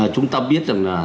chúng ta biết rằng là